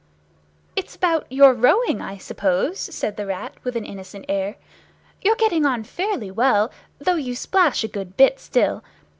"It's about your rowing, I suppose," said the Rat, with an innocent air. "You're getting on fairly well, though you splash a good bit still.